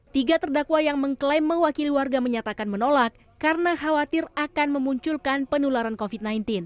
tiga terdakwa yang mengklaim mewakili warga menyatakan menolak karena khawatir akan memunculkan penularan covid sembilan belas